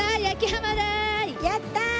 やった！